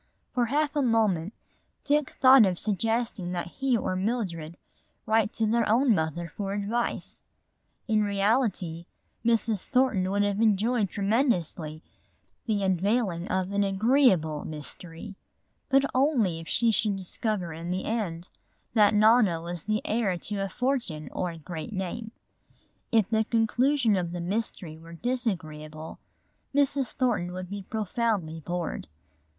For half a moment Dick thought of suggesting that he or Mildred write to their own mother for advice. In reality Mrs. Thornton would have enjoyed tremendously the unveiling of an agreeable mystery. But only if she should discover in the end that Nona was the heir to a fortune or a great name. If the conclusion of the mystery were disagreeable Mrs. Thornton would be profoundly bored.